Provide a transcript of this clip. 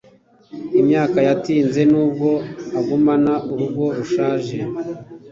Imyaka yatinze nubwo agumana urugo rushaje